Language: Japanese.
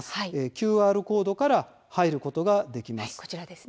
ＱＲコードから入ることができます。